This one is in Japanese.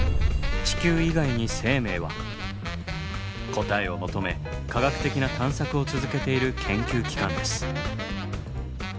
答えを求め科学的な探索を続けている研究機関です。